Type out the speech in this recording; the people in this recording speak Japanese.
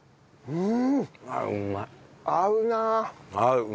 うん。